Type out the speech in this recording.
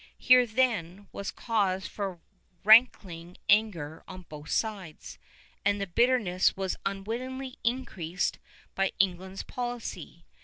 Here, then, was cause for rankling anger on both sides, and the bitterness was unwittingly increased by England's policy.